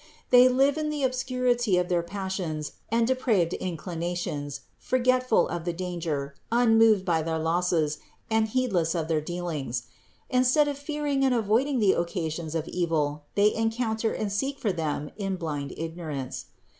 They live in the obscurity of their passions and depraved inclinations, forgetful of the danger, unmoved by their losses, and heedless of their dealings. Instead of fearing and avoiding the occa sions of evil, they encounter and seek for them in blind ignorance.